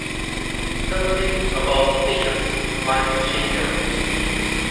Something about pictures by machinery.